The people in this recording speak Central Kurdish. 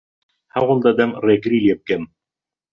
هەوڵ دەدەم ڕێگری لێ بکەم.